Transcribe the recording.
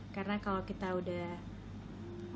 karena kalau kita udah